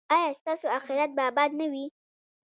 ایا ستاسو اخرت به اباد نه وي؟